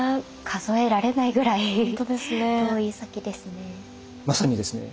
数えられないぐらい遠い先ですね。